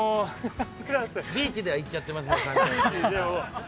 ビーチではいっちゃってますね、完全に。